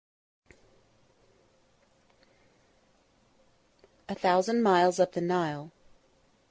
A Thousand Miles Up The Nile.